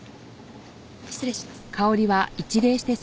失礼します。